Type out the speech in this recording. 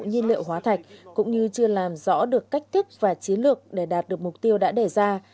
nhiên liệu hóa thạch cũng như chưa làm rõ được cách thức và chiến lược để đạt được mục tiêu đã đề ra